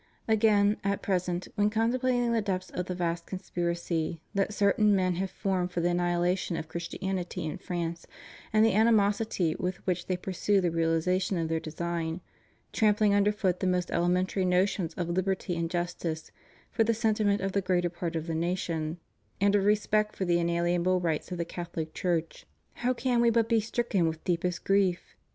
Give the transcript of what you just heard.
Again, at present, when contemplating the depths of the vast conspiracy that certain men have formed for the annihilation of Christianity in France and the animosity with which they pursue the realization of their design, trampling under foot the most elementary notions of liberty and justice for the sentiment of the greater part of the nation, and of respect for the inalienable rights of the Catholic Church, how can We but be stricken with deepest grief?